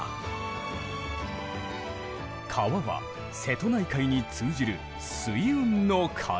川は瀬戸内海に通じる水運の要。